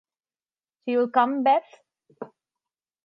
You'll come, Beth?